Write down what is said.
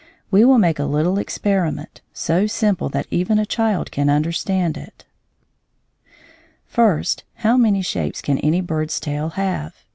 We will make a little experiment, so simple that even a child can understand it. First, how many shapes can any bird's tail have?